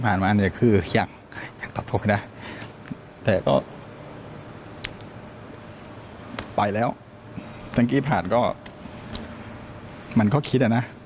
มันเขาคิดว่านะ